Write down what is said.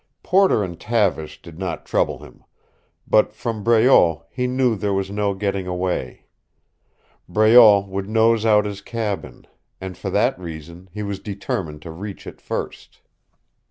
Porter and Tavish did not trouble him. But from Breault he knew there was no getting away. Breault would nose out his cabin. And for that reason he was determined to reach it first.